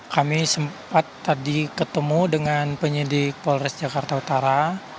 kami sempat tadi ketemu dengan penyidik polres jakarta utara